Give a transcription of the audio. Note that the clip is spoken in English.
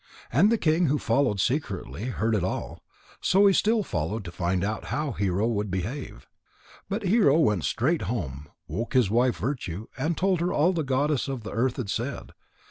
And the king, who had followed secretly, heard it all. So he still followed to find out how Hero would behave. But Hero went straight home, woke his wife Virtue, and told her all that the Goddess of the Earth had said.